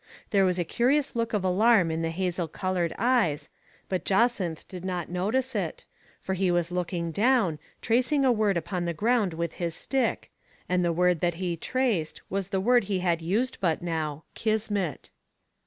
There was a curious look of alarm in the hazel colored eyes, but Jacynth did not notice it, for he was looking down, tracing a word upon the ground with his stick, and the word that he traced was the word he h'ad used but now. Kismet.